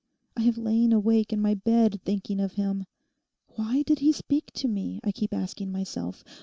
I have lain awake in my bed thinking of him. Why did he speak to me, I keep asking myself.